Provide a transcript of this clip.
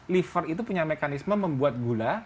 liver itu punya mekanisme membuat gula